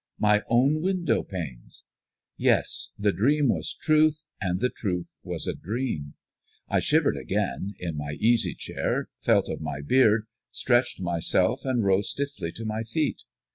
My own window panes! Yes, the dream was truth, and the truth was a dream. I shivered again, in my easy chair, felt of my beard, stretched myself and rose stiffly to my feet.